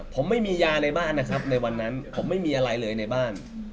ผมไม่มียาในบ้านนะครับในวันนั้นผมไม่มีอะไรเลยในบ้าน